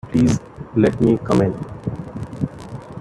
Please let me come in.